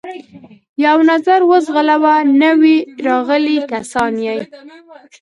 یو نظر و ځغلاوه، نوي راغلي کسان یې.